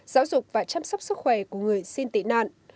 giáo dục và chăm sóc sức khỏe của người xin tị nạn